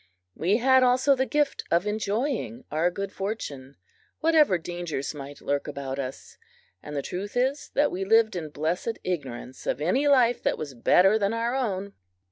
We had also the gift of enjoying our good fortune, whatever dangers might lurk about us; and the truth is that we lived in blessed ignorance of any life that was better than our own.